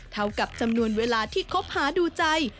เท่ากับจำนวนเวลาที่คบหาดูใจ